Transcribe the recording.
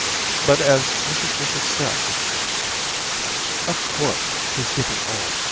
But as Mrs Griffith said, — *0f course, he's getting old.